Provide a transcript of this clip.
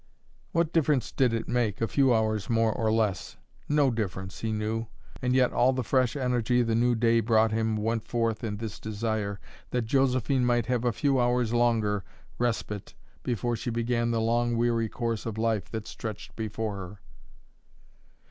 What difference did it make, a few hours more or less? No difference, he knew, and yet all the fresh energy the new day brought him went forth in this desire that Josephine might have a few hours longer respite before she began the long weary course of life that stretched before her.